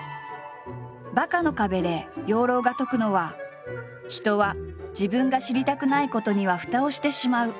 「バカの壁」で養老が説くのは「人は自分が知りたくないことにはふたをしてしまう」ということ。